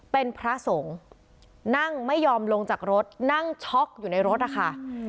เป็นพระสงฆ์นั่งไม่ยอมลงจากรถนั่งช็อกอยู่ในรถนะคะ